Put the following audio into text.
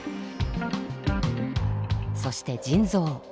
そして腎臓。